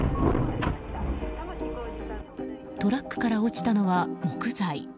トラックから落ちたのは木材。